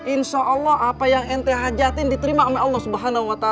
insya allah apa yang ente hajatin diterima oleh allah swt